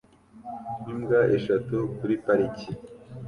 Imbwa eshatu kuri parike